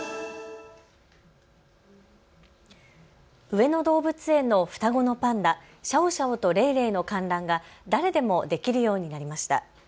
上野動物園の双子のパンダ、シャオシャオとレイレイの観覧が誰でもできるようになりました。